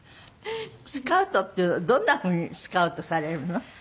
スカウトっていうのはどんな風にスカウトされるの？